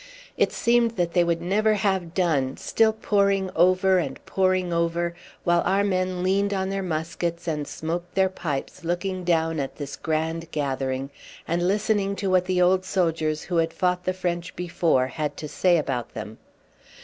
It seemed that they would never have done, still pouring over and pouring over, while our men leaned on their muskets and smoked their pipes looking down at this grand gathering and listening to what the old soldiers who had fought the French before had to say about them.